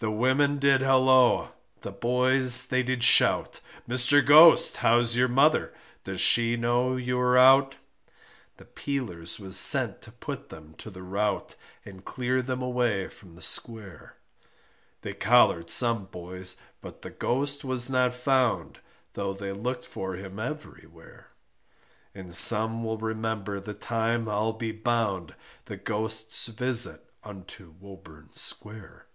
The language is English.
The women did holloa, the boys they did shout, Mr. Ghost, how's your mother, does she know you're out? The peelers was sent to put them to the rout, And clear them away from the square. They collared some boys, but the Ghost was not found, Though they looked for him everywhere, And some will remember the time I'll be bound The Ghost's visit unto Woburn Square.